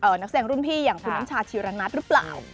เออนักแสดงรุ่นพี่อย่างคุณน้องชาชิรณัทรึเปล่า